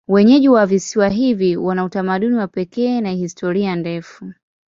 Wenyeji wa visiwa hivi wana utamaduni wa pekee na historia ndefu.